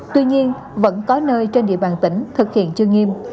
tuy nhiên vẫn có nơi trên địa bàn tỉnh thực hiện chưa nghiêm